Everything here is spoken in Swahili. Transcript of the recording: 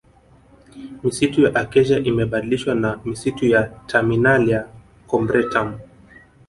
Misitu ya Acacia imebadilishwa na misitu ya Terminalia Combretum